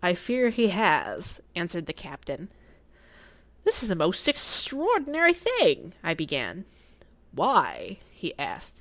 "I fear he has," answered the captain. "This is the most extraordinary thing——" I began. "Why?" he asked.